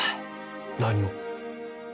何を？